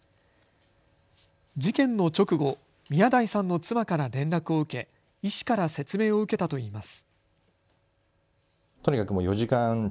事件の直後、宮台さんの妻から連絡を受け医師から説明を受けたといいます。